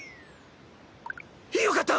よかった！